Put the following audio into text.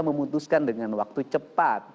memutuskan dengan waktu cepat